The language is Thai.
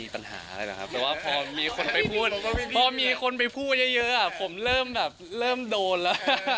พอมีคนไปพูดเยอะอะผมเริ่มแบบเริ่มโดนล่ะ